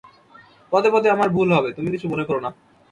পদে পদে আমার ভুল হবে, তুমি কিছু মনে কর না।